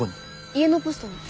家のポストに。